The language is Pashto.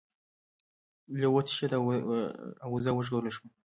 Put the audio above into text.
لیوه وتښتید او وزه وژغورل شوه.